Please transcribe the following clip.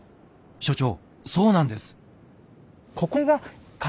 所長そうなんです。